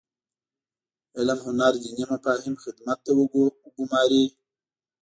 علم هنر دیني مفاهیم خدمت ته وګوماري.